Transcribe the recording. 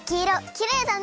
きれいだね！